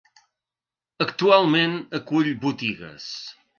Actualment acull botigues.